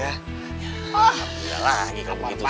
ya alhamdulillah lagi kamu gitu sih